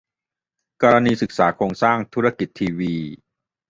กรณีศึกษาโครงสร้างธุรกิจทีวี